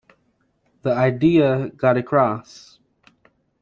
The idea got across.